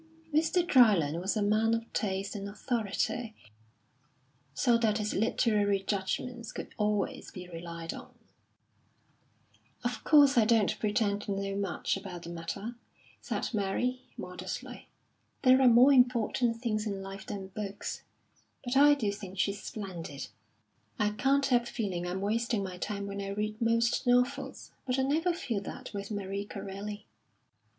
Mr. Dryland was a man of taste and authority, so that his literary judgments could always be relied on. "Of course, I don't pretend to know much about the matter," said Mary, modestly. "There are more important things in life than books; but I do think she's splendid. I can't help feeling I'm wasting my time when I read most novels, but I never feel that with Marie Corelli."